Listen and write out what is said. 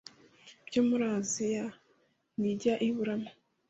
byo muri Aziya ntijya iburamo